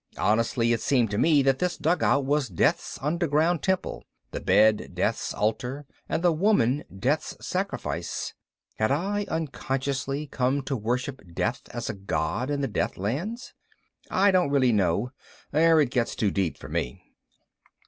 Honestly it seemed to me that this dugout was Death's underground temple, the bed Death's altar, and the woman Death's sacrifice. (Had I unconsciously come to worship Death as a god in the Deathlands? I don't really know. There it gets too deep for me.)